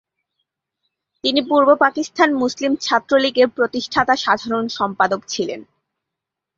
তিনি পূর্ব পাকিস্তান মুসলিম ছাত্রলীগের প্রতিষ্ঠাতা সাধারণ সম্পাদক ছিলেন।